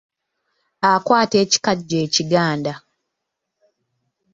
Akwata ekikajjo ekiganda.